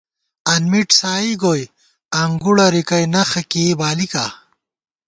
انمِٹ سائی گوئی انگُڑہ رِکَئ نخہ کېئ بالِکا